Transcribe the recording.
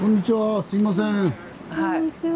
こんにちは。